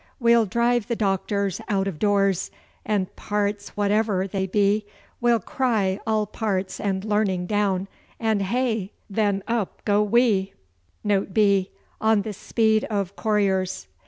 We'll drive the doctors out of doors, And parts, whate'er they be, We'll cry all parts and learning down, And heigh, then up go we!' Note B. On the Speed of Couriers.